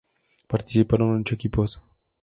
Participaron ocho equipos.